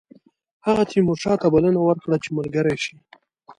هغه تیمورشاه ته بلنه ورکړه چې ملګری شي.